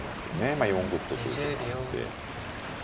まあ４五歩と取る手もあるので。